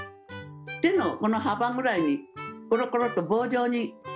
手のこの幅ぐらいにコロコロと棒状に。